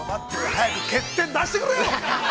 早く欠点出してくれよ。